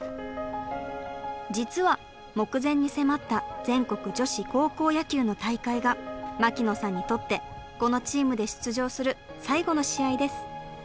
実は目前に迫った全国女子高校野球の大会が牧野さんにとってこのチームで出場する最後の試合です。